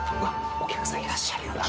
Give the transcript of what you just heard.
お客さんいらっしゃるよ。